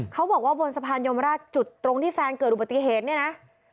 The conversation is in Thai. เขาบอกว่าบนสะพานยมราชจุดตรงที่แฟนเกิดอุบัติเหตุเนี่ยนะ